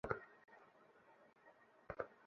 Lindsay, Lindsay.